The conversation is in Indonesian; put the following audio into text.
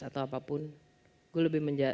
atau apapun gue lebih